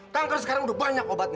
kanker sekarang udah banyak obatnya